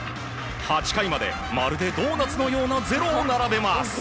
８回までまるでドーナツのような０を並べます。